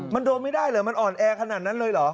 มันโดนไม่ได้เหรอมันอ่อนแอขนาดนั้นเลยเหรอ